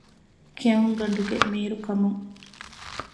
ކެއުންގަނޑުގެ މީރު ކަމުން